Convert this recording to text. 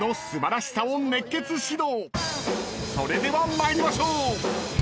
［それでは参りましょう］